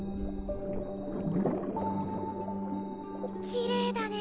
きれいだね。